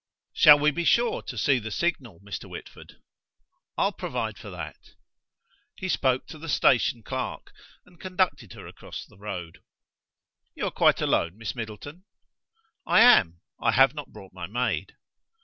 "Shall we be sure to see the signal, Mr. Whitford?" "I'll provide for that." He spoke to the station clerk, and conducted her across the road. "You are quite alone, Miss Middleton?" "I am: I have not brought my maid."